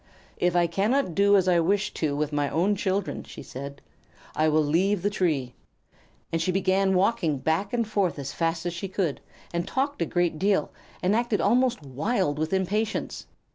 "If I cannot do as I wish to with my own children," she said, "I will leave the tree." And she began walking back and forth as fast as she could, and talked a great deal, and acted almost wild with impatience.